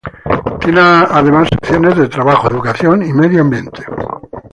Tiene además secciones de Trabajo, Educación y Medio Ambiente.